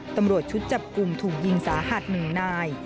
ตำรวจชุดจับกุมถูกยิงสาหัสหนึ่งนาย